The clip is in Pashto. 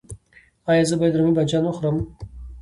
ایا زه باید رومی بانجان وخورم؟